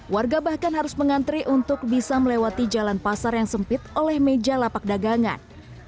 warga bahkan harus mengantri untuk bisa melewati jalan pasar yang sempit oleh meja lapak dagangan